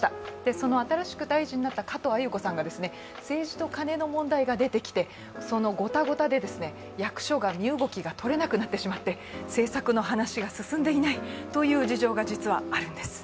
その新しく大臣になった加藤鮎子さんに政治とカネの問題が出てきてそのゴタゴタで役所が身動きがとれなくなってしまって、政策の話が進んでいないという事情が実はあるんです。